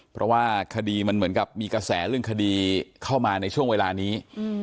เพราะว่าคดีมันเหมือนกับมีกระแสเรื่องคดีเข้ามาในช่วงเวลานี้